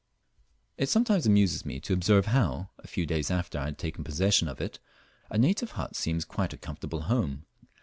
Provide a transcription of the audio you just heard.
It sometimes amuses me to observe how, a few days after I have taken possession of it, a native hut seems quite a comfortable home.